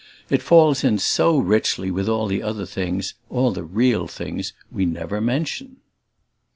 It falls in so richly with all the other things, all the "real" things, we never mention.